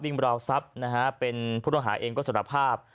ยิ่งบราวทรัพย์เป็นผู้ต้องหาเองก็สรรพาพ